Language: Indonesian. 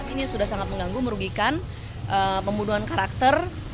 ini sudah sangat mengganggu merugikan pembunuhan karakter